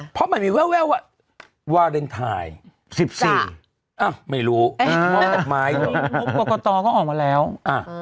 เพราะมันมีแววแววว่ะสิบสี่อ่ะไม่รู้อ่ามุมประกอตรอก็ออกมาแล้วอ่า